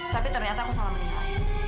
tapi ternyata aku salah menerima